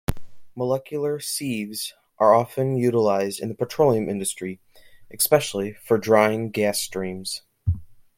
Molecular sieves are often utilized in the petroleum industry, especially for drying gas streams.